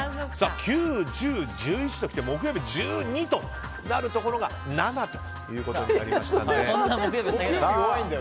９、１０、１１ときて木曜日は１２となるところが７となりましたので。